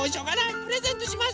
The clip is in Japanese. プレゼントします。